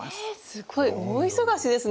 すごい大忙しですね。